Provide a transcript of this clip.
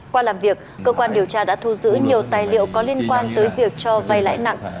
qua làm việc cơ quan điều tra đã thu giữ nhiều tài liệu có liên quan tới việc cho vay lãi nặng